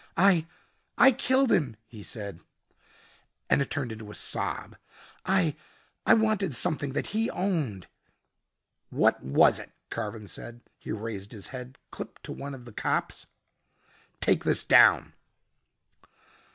"I I killed him," he said, and it turned into a sob. "I I wanted something that he owned " "What was it?" Carven said. He raised his head, clipped to one of the cops, "Take this down."